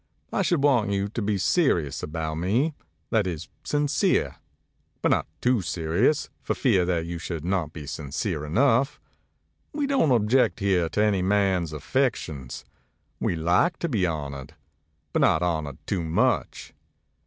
I should want you to be serious about me that is, sincere; but not too serious, for fear that you should not be sincere enough. We don't object here to any man's affections; we like to be honored, but not honored too much.